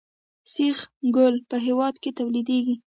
سیخ ګول په هیواد کې تولیدیږي